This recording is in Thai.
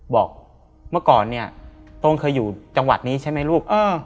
บอกเมื่อก่อนเนี่ยโต้งเคยอยู่จังหวัดนี้ใช่ไหมลูก